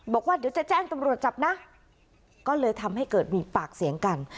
บอกว่าเดี๋ยวจะแจ้งตำรวจจับนะก็เลยทำให้เกิดมีปากเสียงกัน